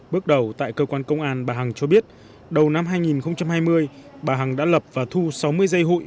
bước đầu tại cơ quan công an bà hằng cho biết đầu năm hai nghìn hai mươi bà hằng đã lập và thu sáu mươi dây hụi